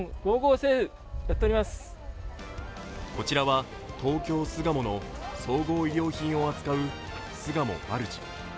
こちらは東京・巣鴨の総合衣料品を扱う巣鴨マルジ。